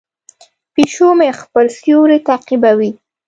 پیشو مې خپل سیوری تعقیبوي.